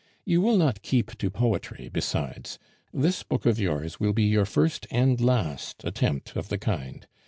You will not keep to poetry besides; this book of yours will be your first and last attempt of the kind.